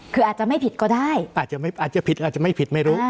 คืออาจจะไม่ผิดก็ได้